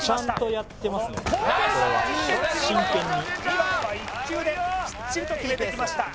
２番は１球できっちりと決めてきました